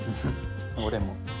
俺も。